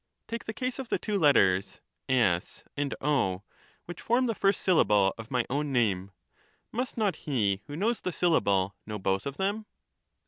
Take the case of the two letters S and O, which form the first syllable of my own name ; must not he who knows the syllable, know both of them